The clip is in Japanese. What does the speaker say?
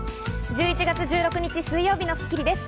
１１月１６日、水曜日の『スッキリ』です。